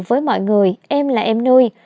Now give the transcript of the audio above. với mọi người em là em nuôi